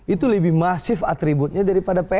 itu lebih masif atributnya daripada pns